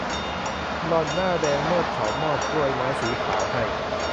หล่อนหน้าแดงเมื่อเขามอบกล้วยไม้สีขาวให้